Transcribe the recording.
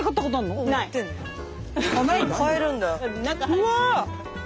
うわ！